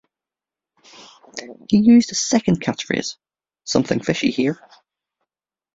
He used a second catchphrase, Something fishy here!